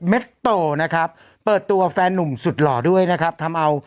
โตนะครับเปิดตัวแฟนนุ่มสุดหล่อด้วยนะครับทำเอา